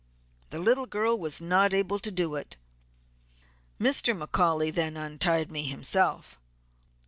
The little girl was not able to do it; Mr. McCaully then untied me himself.